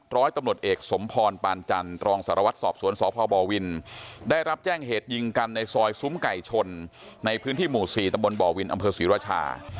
ร้อยตำรวจเอกสมพรปานจันทร์รองสารวัตรสอบสวนสพบวินได้รับแจ้งเหตุยิงกันในซอยซุ้มไก่ชนในพื้นที่หมู่๔ตำบลบ่อวินอำเภอศรีราชา